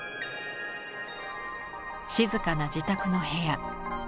静かな自宅の部屋。